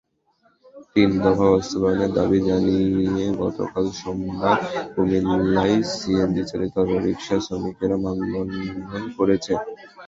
তিন দফা বাস্তবায়নের দাবি জানিয়ে গতকাল সোমবার কুমিল্লায় সিএনজিচালিত অটোরিকশার শ্রমিকেরা মানববন্ধন করেছেন।